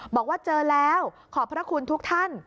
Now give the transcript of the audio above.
บอกว่าเจอแล้วขอบพระคุณทุกท่าน